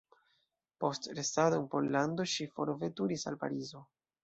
Post restado en Pollando ŝi forveturis al Parizo.